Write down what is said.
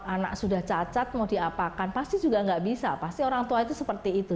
anak sudah cacat mau diapakan pasti juga nggak bisa pasti orang tua itu seperti itu